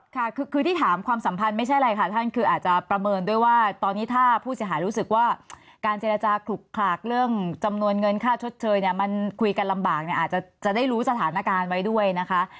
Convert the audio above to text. ค่ะคือที่ถามความสัมพันธ์ไม่ใช่อะไรค่ะท่านคืออาจจะประเมินด้วยว่าตอนนี้ถ้าผู้เสียหายรู้สึกว่าการเจรจาขลุกขลากเรื่องจำนวนเงินค่าชดเชยเนี่ยมันคุยกันลำบากเนี่ยอาจจะได้รู้สถานการณ์ไว้ด้วยนะคะ